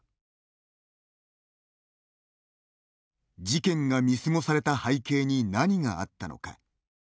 事件が見過ごされた背景に何があったのか。